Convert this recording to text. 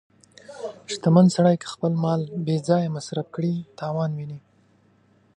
• شتمن سړی که خپل مال بې ځایه مصرف کړي، تاوان ویني.